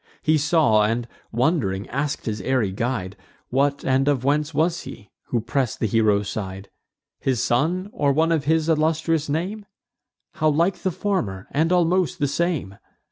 He saw, and, wond'ring, ask'd his airy guide, What and of whence was he, who press'd the hero's side: "His son, or one of his illustrious name? How like the former, and almost the same!